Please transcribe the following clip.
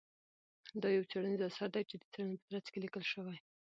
دا يو څېړنيز اثر دى چې د څېړنې په ترڅ کې ليکل شوى.